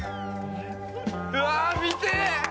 うわ、見てぇ。